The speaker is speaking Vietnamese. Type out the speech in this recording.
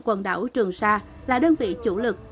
quần đảo trường sa là đơn vị chủ lực